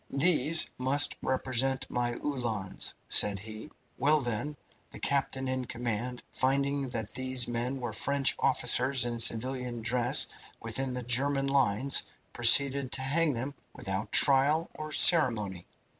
"These must represent my Uhlans," said he. "Well, then, the captain in command, finding that these men were French soldiers in civilian dress within the German lines, proceeded to hang them without trial or ceremony.